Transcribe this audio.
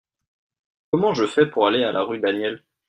Comment je fais pour aller à la rue Daniel ?